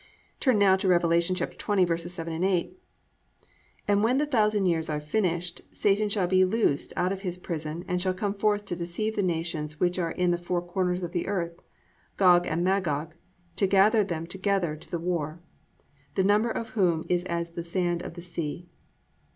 2. Turn now to Rev. 20:7, 8: +"And when the thousand years are finished, Satan shall be loosed out of his prison, and shall come forth to deceive the nations which are in the four corners of the earth, Gog and Magog, to gather them together to the war: The number of whom is as the sand of the sea."